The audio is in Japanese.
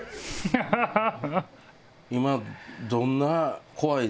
今ハハハハ！